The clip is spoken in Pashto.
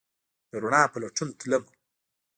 د روڼا په لټون تلمه